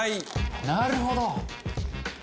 「なるほど！」